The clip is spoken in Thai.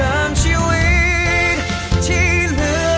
ถ้าคุณเคยมีใจด้วยกัน